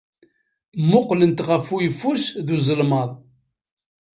Mmuqqlent ɣef uyeffus ed uzelmaḍ.